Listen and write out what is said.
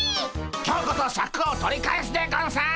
今日こそシャクを取り返すでゴンス。